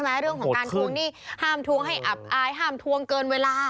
เรื่องของการทวงหนี้ห้ามทวงให้อับอายห้ามทวงเกินเวลา